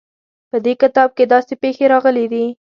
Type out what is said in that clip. په دې کتاب کې داسې پېښې راغلې دي.